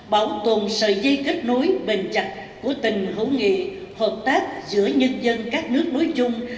bảo tồn sợi dây kết nối bền chặt của tình hữu nghị hợp tác giữa nhân dân các nước đối chung